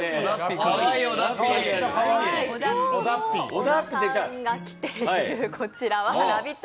小田さんが着ているこちらは、ラヴィット！